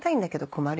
困る。